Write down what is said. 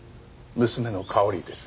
娘の香織です。